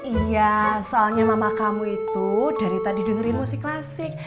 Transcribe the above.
iya soalnya mama kamu itu dari tadi dengerin musik klasik